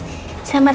eh permisi ya mbak